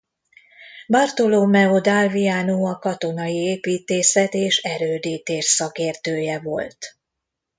Bartolomeo d’Alviano a katonai építészet és erődítés szakértője volt.